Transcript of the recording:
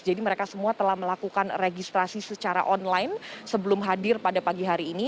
jadi mereka semua telah melakukan registrasi secara online sebelum hadir pada pagi hari ini